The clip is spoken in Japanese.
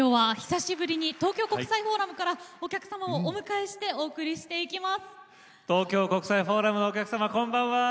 今夜の「うたコン」は久しぶりに東京・国際フォーラムからお客様をお迎えしてお送りしております。